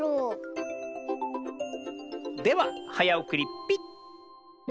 でははやおくりピッ！